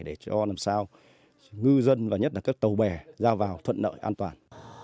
để cho làm sao ngư dân và nhất là các tàu bè ra vào thuận lợi an toàn